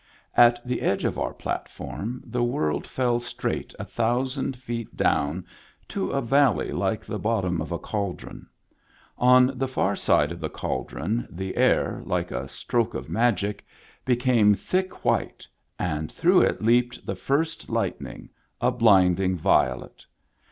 At the edge of our platform the world fell straight a thousand feet down to a valley like the bottom of a cauldron; on the far side of the cauldron the air, like a stroke of magic, be came thick white, and through it leaped the first lightning, a blinding violet.